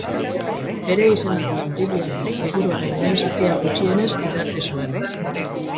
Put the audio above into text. Bere izena duen Bibliako liburuaren lehen zatia gutxienez idatzi zuen.